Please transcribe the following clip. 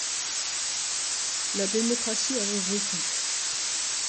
La démocratie avait vécu.